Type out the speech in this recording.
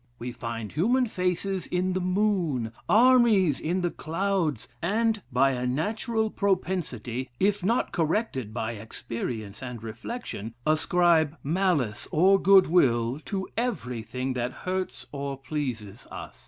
We find human faces in the moon, armies in the clouds; and, by a natural propensity, it not corrected by experience and reflection, ascribe malice or good will to everything that hurts or pleases us.